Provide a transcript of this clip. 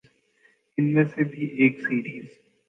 ان میں سے بھی ایک سیریز